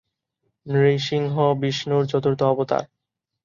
নৃসিংহ বিষ্ণুর চতুর্থ অবতার।